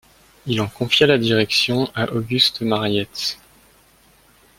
Il en confia la direction à Auguste Mariette.